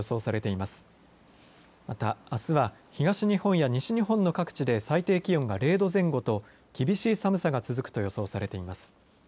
また、あすは東日本や西日本の各地で最低気温が０度前後と厳しい寒さが続くと予想されています。